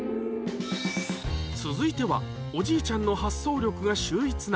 続いてはおじいちゃんの発想力が秀逸な